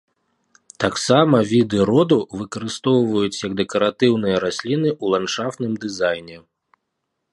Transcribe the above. Таксама віды роду выкарыстоўваюць як дэкаратыўныя расліны ў ландшафтным дызайне.